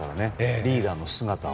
リーダーの姿を。